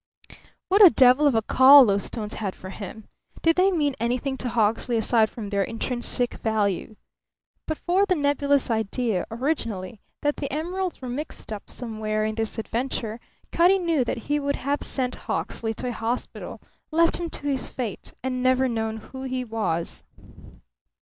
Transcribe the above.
What a devil of a call those stones had for him! Did they mean anything to Hawksley aside from their intrinsic value? But for the nebulous idea, originally, that the emeralds were mixed up somewhere in this adventure, Cutty knew that he would have sent Hawksley to a hospital, left him to his fate, and never known who he was.